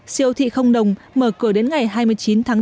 siêu thị không đồng mở cửa đến ngày hai mươi chín tháng năm